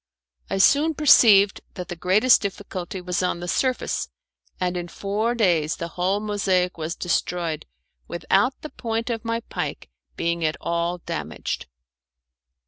I soon perceived that the greatest difficulty was on the surface, and in four days the whole mosaic was destroyed without the point of my pike being at all damaged.